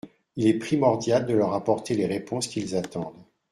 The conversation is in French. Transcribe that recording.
Il est primordial de leur apporter les réponses qu’ils attendent.